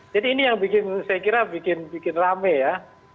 jadi ini yang saya kira bikin rame ya